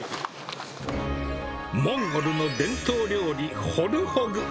モンゴルの伝統料理、ホルホグ。